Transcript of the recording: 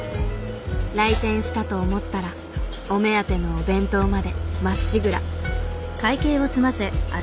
来店したと思ったらお目当てのお弁当までまっしぐら。